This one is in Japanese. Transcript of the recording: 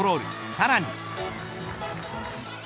さらに。